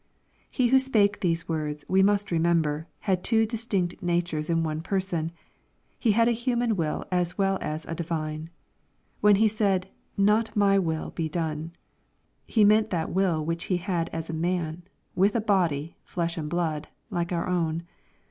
He who spake these words, we must remember, had two distinct natures in one Person. He had a human will as well as a divine. When He said, " Not my will be done," He meant that will which He had as a man, with a body, flesh and blood, like our own.